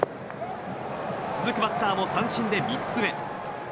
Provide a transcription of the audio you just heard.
続くバッターも三振で３つ目。